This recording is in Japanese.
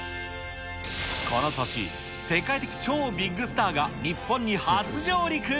この年、世界的超ビッグスターが日本に初上陸。